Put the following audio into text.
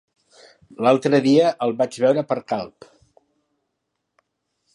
L'altre dia el vaig veure per Calp.